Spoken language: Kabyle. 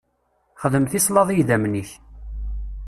Xdem tislaḍ i idammen-ik.